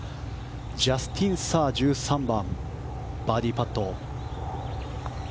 ジャスティン・サー、１３番バーディーパット。